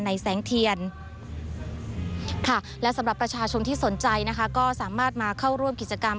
แสงเทียนค่ะและสำหรับประชาชนที่สนใจนะคะก็สามารถมาเข้าร่วมกิจกรรม